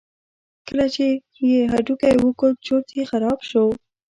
کله چې یې هډوکی وکوت چورت یې خراب شو.